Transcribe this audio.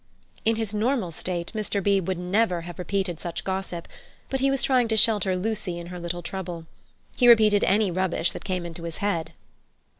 In his normal state Mr. Beebe would never have repeated such gossip, but he was trying to shelter Lucy in her little trouble. He repeated any rubbish that came into his head.